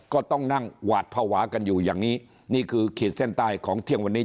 ก็ต้องนั่งหวาดภาวะกันอยู่อย่างนี้นี่คือขีดเส้นใต้ของเที่ยงวันนี้